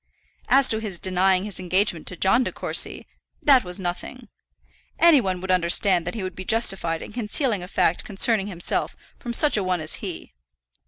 As to his denying his engagement to John De Courcy, that was nothing. Any one would understand that he would be justified in concealing a fact concerning himself from such a one as he.